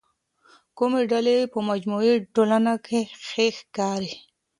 کومې ډلې په مجموعي ټولنه کي ښه ښکاري؟